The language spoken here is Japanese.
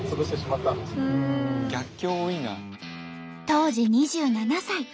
当時２７歳。